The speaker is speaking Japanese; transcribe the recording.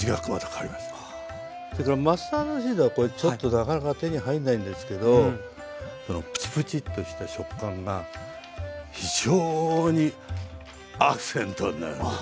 それからマスタードシードはこれちょっとなかなか手に入んないんですけどそのプチプチッとした食感が非常にアクセントになるんですね。